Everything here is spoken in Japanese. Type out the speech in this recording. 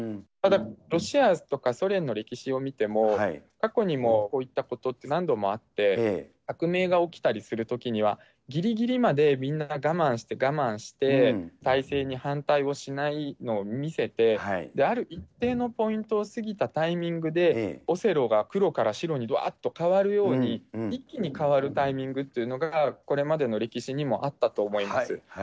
ただ、ロシアですとかソ連の歴史を見ても、過去にもこういったことって何度もあって、革命が起きたりするときには、ぎりぎりまでみんな我慢して我慢して、体制に反対をしないのを見せて、ある一定のポイントを過ぎたタイミングで、オセロが黒から白にわーっと変わるように、一気に変わるタイミングっていうのがこれまでの歴史にもあったと思います。